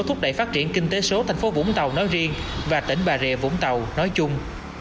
thúc đẩy phát triển kinh tế số thành phố vũng tàu nói riêng và tỉnh bà rịa vũng tàu nói chung